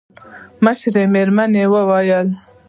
مشره مېرمن يې وه.